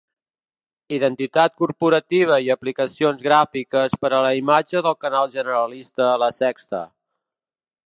Identitat corporativa i aplicacions gràfiques per a la imatge del canal generalista la Sexta.